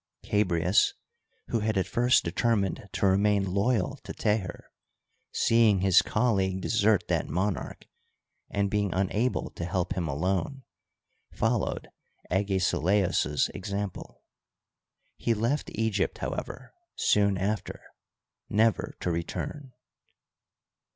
Chabrias, who had at first determined to remain loyal to Teher, seeing his colleague desert that monarch, and being unable to help him alone, followed Agesilaos 's example. He left Egypt, however, soon after, never to return.